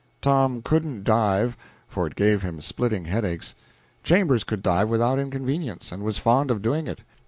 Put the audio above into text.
Tom couldn't dive, for it gave him splitting headaches. Chambers could dive without inconvenience, and was fond of doing it.